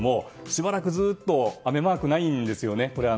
しばらくずっと雨マークがないんですよね。